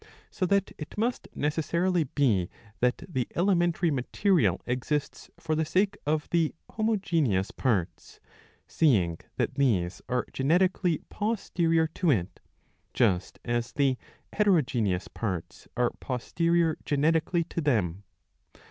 So that it must necessarily be that the elementary material exists for the sake of the homogeneous parts, seeing that these are genetically posterior to it, just as the heterogeneous parts are posterior genetically to them.''